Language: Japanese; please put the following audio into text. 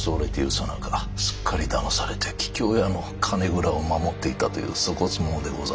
さなかすっかりだまされて桔梗屋の金蔵を守っていたという粗こつ者でございましてな。